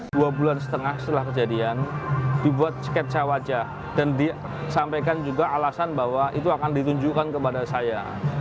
dua bulan setengah setelah kejadian dibuat sketsa wajah dan disampaikan juga alasan bahwa itu akan ditunjukkan kepada saya